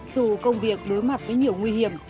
dù công việc đối mặt với nhiều nguy hiểm